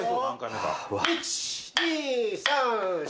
１２３４。